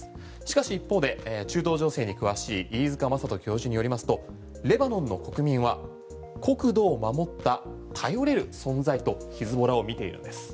しかし一方で中東情勢に詳しい飯塚正人教授によりますとレバノンの国民は国土を守った頼れる存在とヒズボラを見ているんです。